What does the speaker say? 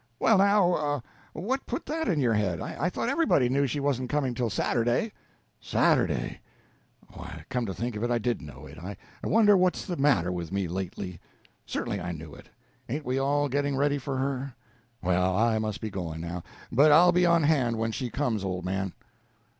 "Well, now, what put that in your head? I thought everybody knew she wasn't coming till Saturday." "Saturday! Why, come to think, I did know it. I wonder what's the matter with me lately? Certainly I knew it. Ain't we all getting ready for her? Well, I must be going now. But I'll be on hand when she comes, old man!"